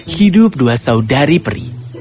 hidup dua saudari peri